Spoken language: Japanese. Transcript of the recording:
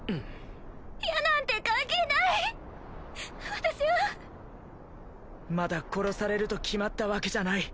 矢なんて関係ない私はまだ殺されると決まったわけじゃない